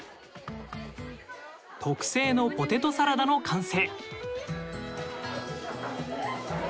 特製のポテトサラダの完成。